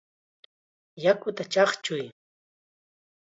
¡Yakuta chaqchuy!